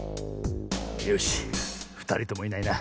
よしふたりともいないな。